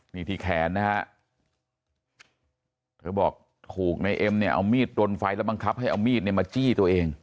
นี่ที่แขนนะฮะเธอบอกถูกในเอ็มเนี่ยเอามีดดนไฟแล้วบังคับให้เอามีดเนี่ยมาจี้ตัวเอง